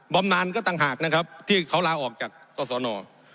บำนานก็ต่างหากนะครับที่เขาลาออกจากกศน